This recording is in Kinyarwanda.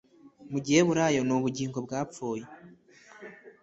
mu giheburayo ni ubugingo bwapfuye